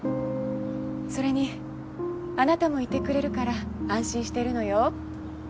それにあなたもいてくれるから安心してるのよ。